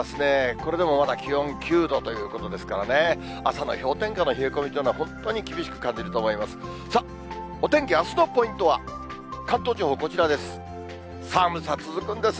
これでもまだ気温９度ということですからね、朝の氷点下の冷え込みというのは本当に厳しく感じると思います。